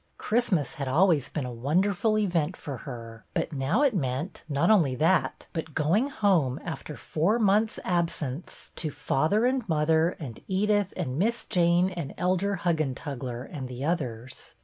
Christmas had always been a wonderful event for her, but now it meant not only that, but going home, after four months' absence, to father and mother and Edith and Miss Jane and Elder Huggentug ler, and the others.